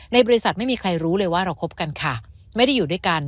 บริษัทไม่มีใครรู้เลยว่าเราคบกันค่ะไม่ได้อยู่ด้วยกัน